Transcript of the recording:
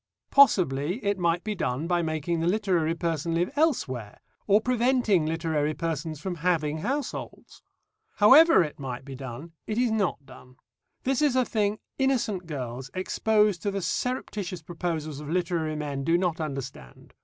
Possibly it might be done by making the literary person live elsewhere or preventing literary persons from having households. However it might be done, it is not done. This is a thing innocent girls exposed to the surreptitious proposals of literary men do not understand.